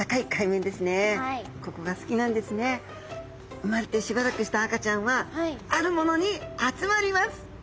生まれてしばらくした赤ちゃんはあるものに集まります。